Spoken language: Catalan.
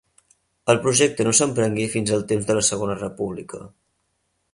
El projecte no s'emprengué fins al temps de la Segona República.